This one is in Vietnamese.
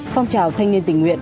phong trào thanh niên tình nguyện